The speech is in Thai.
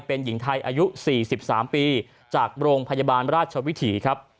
เป็นหญิงไทยอายุ๔๓ปีจากโรงพยาบาลราชวิถีครับ